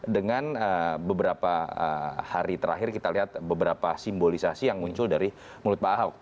dengan beberapa hari terakhir kita lihat beberapa simbolisasi yang muncul dari mulut pak ahok